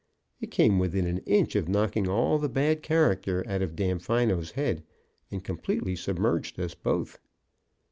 It came within an inch of knocking all the bad character out of Damfino's head, and completely submerged us both.